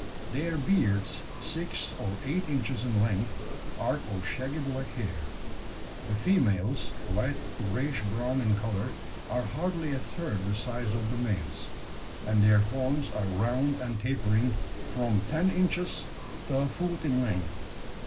Their beards, six or eight inches in length, arc of shaggy black hair. The females, light greyish brown in colour, are hardly a third the size of the males; and their horns are round and tapering, from ten inches to a foot in length.